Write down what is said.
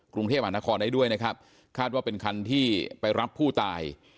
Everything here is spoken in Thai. กรุงเทพหานครได้ด้วยนะครับคาดว่าเป็นคันที่ไปรับผู้ตาย